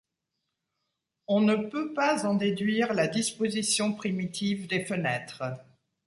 On ne peut pas en déduire la disposition primitive des fenêtres.